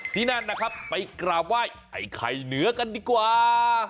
ที่นั่นนะครับไปกราบไหว้ไอ้ไข่เหนือกันดีกว่า